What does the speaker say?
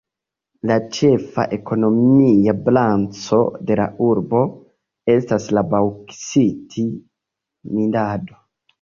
La ĉefa ekonomia branĉo de la urbo estas la baŭksit-minado.